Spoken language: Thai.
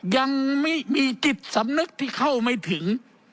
ยังไม่มีจิตสำนึกที่เข้าไม่ถึง